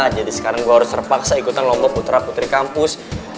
sekarang gue harus terpaksa ikutan lomba putra putri kampus